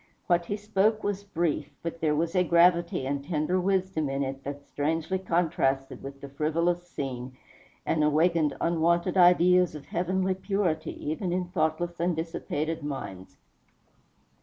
What he spoke was brief; but there was a gravity and tender wisdom in it that strangely contrasted with the frivolous scene, and awakened unwonted ideas of heavenly purity even in thoughtless and dissipated minds.